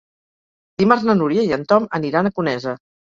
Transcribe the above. Dimarts na Núria i en Tom aniran a Conesa.